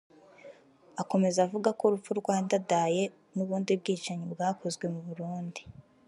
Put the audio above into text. Akomeza avuga ko urupfu rwa Ndadaye n’ubundi bwicanyi bwakozwe mu Burundi